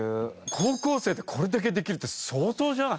高校生でこれだけできるって相当じゃない？